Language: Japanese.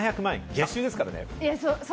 月収ですからね。